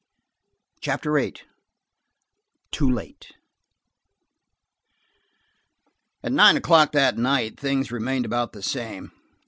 CHAPTER VIII TOO LATE AT nine o'clock that night things remained about the same.